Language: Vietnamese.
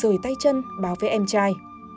rời tay chân bảo vệ em trai